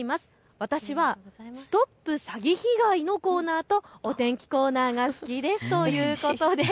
私はＳＴＯＰ詐欺被害！のコーナーとお天気コーナーが好きですということです。